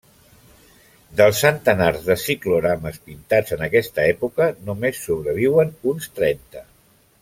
Dels centenars de ciclorames pintats en aquesta època només sobreviuen uns trenta.